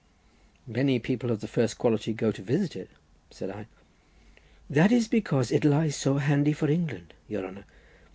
"Many people of the first quality go to visit it," said I. "That is because it lies so handy for England, your honour.